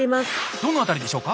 どの辺りでしょうか？